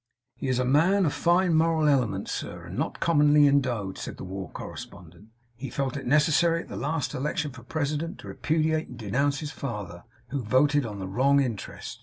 'He is a man of fine moral elements, sir, and not commonly endowed,' said the war correspondent. 'He felt it necessary, at the last election for President, to repudiate and denounce his father, who voted on the wrong interest.